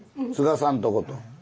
継がさんとこと。